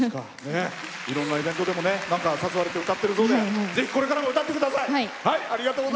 いろんなイベントに誘われて歌っているそうでぜひ、これからも歌ってください。